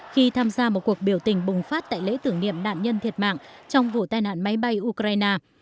khi tham gia một cuộc biểu tình bùng phát tại lễ tưởng niệm nạn nhân thiệt mạng trong vụ tai nạn máy bay ukraine